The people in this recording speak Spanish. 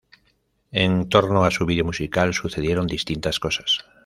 En torno a su video musical, sucedieron distintas cosas.